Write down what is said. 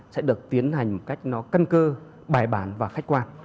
sẽ được tiến hành một cách nó căn cơ bài bản và khách quan